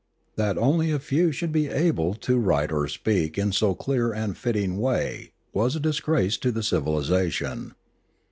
That only a few should be able to write or speak in so clear and fitting a way was a dis grace to the civilisation.